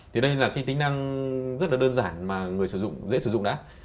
thì đây là cái tính năng rất là đơn giản mà người dễ sử dụng đã